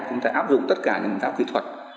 chúng ta áp dụng tất cả những kỹ thuật